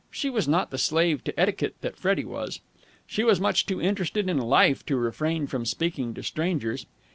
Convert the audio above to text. She was not the slave to etiquette that Freddie was. She was much too interested in life to refrain from speaking to strangers.